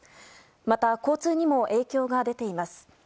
また交通にも影響が出ています。